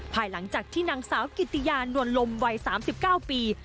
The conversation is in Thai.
ภายหลังจากที่นางสาวกิติยานวลลมวัย๓๙ปี